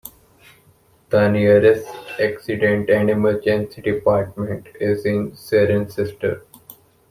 The nearest Accident and Emergency Department is in Cirencester.